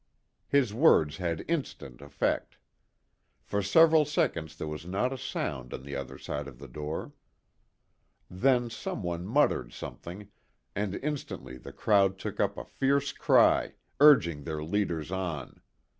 His words had instant effect. For several seconds there was not a sound on the other side of the door. Then some one muttered something, and instantly the crowd took up a fierce cry, urging their leaders on.